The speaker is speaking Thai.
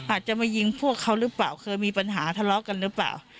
อาจจะมายิงพวกเขาหรือเปล่าเคยมีปัญหาทะเลาะกันหรือเปล่า